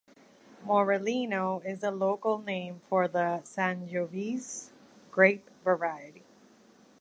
Morellino is the local name for the Sangiovese grape variety.